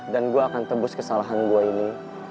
dan gue akan tebus kesalahan gue ini